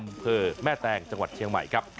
อำเภอแม่แตงจังหวัดเชียงใหม่ครับ